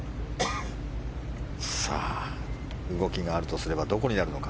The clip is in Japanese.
動きがあるとすればどこになるのか。